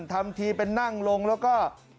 ทำทีเป็นนั่งลงแล้วก็